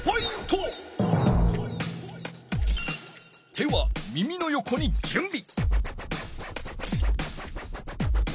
手は耳のよこにじゅんび！